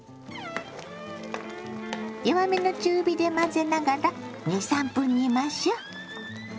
弱めの中火で混ぜながら２３分煮ましょ。